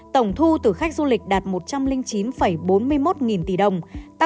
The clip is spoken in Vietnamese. tổng thu từ khách du lịch đạt một trăm linh chín bốn mươi một nghìn tỷ đồng